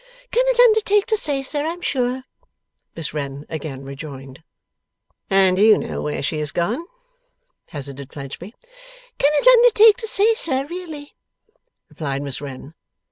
'Cannot undertake to say, sir, I am sure!' Miss Wren again rejoined. 'And you know where she is gone,' hazarded Fledgeby. 'Cannot undertake to say, sir, really,' replied Miss Wren.